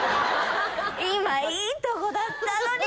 今いいとこだったのに！